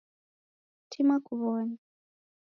Tima kuw'one